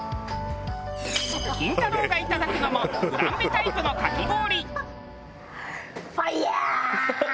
キンタロー。がいただくのもフランベタイプのかき氷。